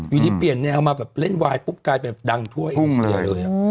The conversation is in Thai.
อยู่ดีเปลี่ยนแนวมาแบบเล่นไวด์ปุ๊บกลายเป็นแบบดังทั่วเองสักอย่างเลย